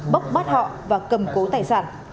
bốc bắt họ và cầm cố tài sản